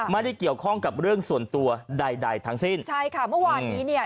ไม่ได้เกี่ยวข้องกับเรื่องส่วนตัวใดใดทั้งสิ้นใช่ค่ะเมื่อวานนี้เนี่ย